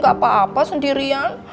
gak apa apa sendirian